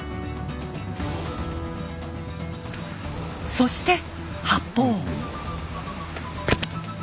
そして発砲。